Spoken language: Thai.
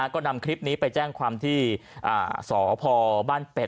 ก็นำคลิปนี้ไปแจ้งความที่สพบ้านเป็ด